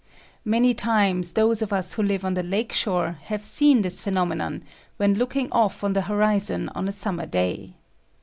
Many times those of us who live on the lake shore have seen this phenomenon when look ing off on the horizon on a summer day.